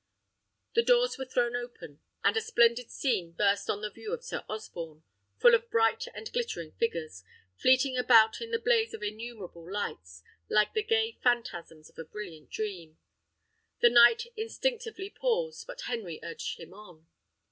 The doors were thrown open, and a splendid scene burst on the view of Sir Osborne, full of bright and glittering figures, fleeting about in the blaze of innumerable lights, like the gay phastasms of a brilliant dream. The knight instinctively paused, but Henry urged him on.